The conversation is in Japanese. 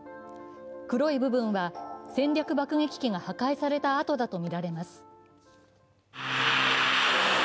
黒い部分は戦略爆撃機が破壊された跡だと見られます。